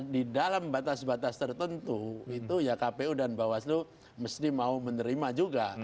di dalam batas batas tertentu itu ya kpu dan bawaslu mesti mau menerima juga